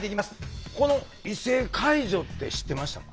この異性介助って知ってましたか？